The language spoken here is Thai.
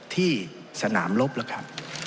ที่สนามลบแล้วครับ